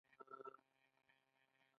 دوی تر ټولو اوږده پوله لري.